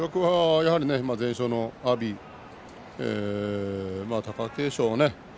やはり全勝の阿炎貴景勝